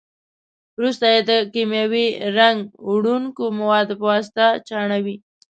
وروسته یې د کیمیاوي رنګ وړونکو موادو په واسطه چاڼوي.